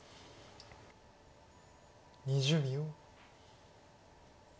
２０秒。